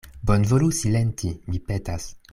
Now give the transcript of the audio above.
Bonvolu silenti, mi petas.